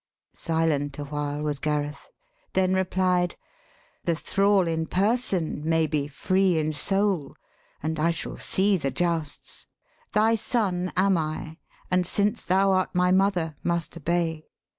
Silent awhile was Gareth, then replied, 'The thrall in person may be free in soul, And I shall see the jousts. Thy son am I, And since thou art my mother, must obey.